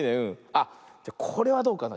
あっこれはどうかな。